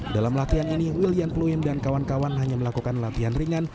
dalam latihan ini willian pluem dan kawan kawan hanya melakukan latihan ringan